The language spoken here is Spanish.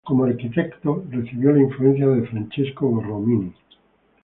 Como arquitecto, recibió la influencia de Francesco Borromini.